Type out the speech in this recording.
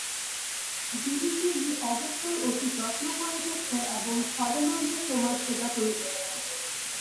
বিলিগিরি অবশ্যই অতি যত্ন করিতেছে এবং সদানন্দ তোমার সেবা করিতেছে।